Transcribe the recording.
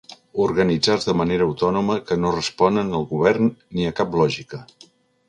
Organitzats de manera autònoma, que no responen al govern ni a cap lògica.